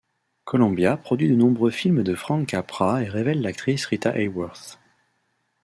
Columbia produit de nombreux films de Frank Capra et révèle l'actrice Rita Hayworth.